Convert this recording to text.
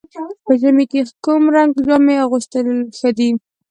په ژمي کې کوم رنګ جامې اغوستل ښه دي؟